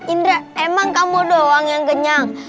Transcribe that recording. indra emang kamu doang yang kenyang